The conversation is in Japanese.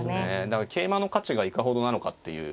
だから桂馬の価値がいかほどなのかっていう。